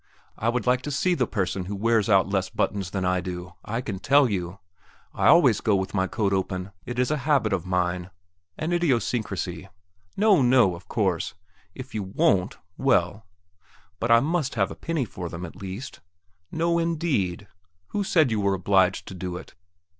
I would like to see the person who wears out less buttons than I do, I can tell you! I always go with my coat open; it is a habit of mine, an idiosyncrasy.... No, no; of course, if you won't, well! But I must have a penny for them, at least.... No indeed! who said you were obliged to do it?